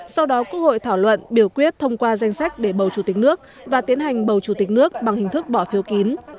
sau đó quốc hội thảo luận biểu quyết thông qua danh sách để bầu chủ tịch nước và tiến hành bầu chủ tịch nước bằng hình thức bỏ phiếu kín